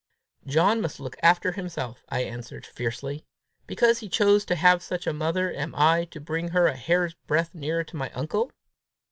"John must look after himself!" I answered fiercely. "Because he chooses to have such a mother, am I to bring her a hair's breadth nearer to my uncle!